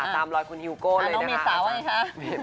ตามรอยคุณฮิวโก้เลยนะครับ